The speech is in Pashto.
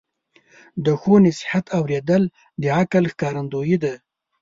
د ښو نصیحت اوریدل د عقل ښکارندویي ده.